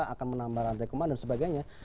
akan menambah rantai kuman dan sebagainya